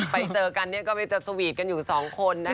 ไปเจอกันก็ไม่จะสวีทกันอยู่สองคนนะคะ